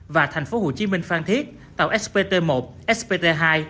và thành phố hồ chí minh phan thiết tàu spt một spt hai